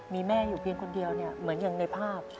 มีแม่อยู่เพียงคนเดียวเนี่ยเหมือนอย่างในภาพ